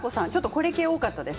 これ系多かったです。